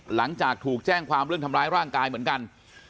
หลังจากถูกแจ้งความเรื่องทำร้ายร่างกายเหมือนกัน